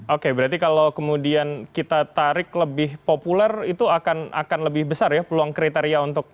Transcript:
oke berarti kalau kemudian kita tarik lebih populer itu akan lebih besar ya peluang kriteria untuk